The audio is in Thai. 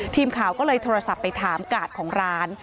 ทีมข่าวก็เลยโทรศัพท์ไปถามกาดของร้าน